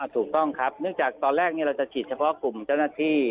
ถูกต้องครับเนื่องจากตอนแรกเราจะฉีดเฉพาะกลุ่มเจ้าหน้าที่